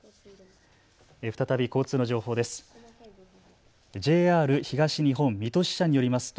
再び交通の情報です。